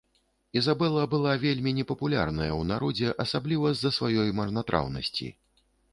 Ізабела была вельмі непапулярная ў народзе, асабліва з-за сваёй марнатраўнасці.